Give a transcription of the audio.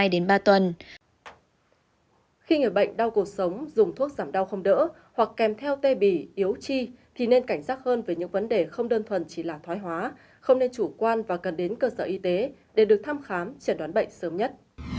khi người bệnh đau cuộc sống dùng thuốc giảm đau không đỡ hoặc kèm theo tê bì yếu chi thì nên cảnh giác hơn về những vấn đề không đơn thuần chỉ là thoái hóa không nên chủ quan và cần đến cơ sở y tế để được thăm khám chẩn đoán bệnh sớm nhất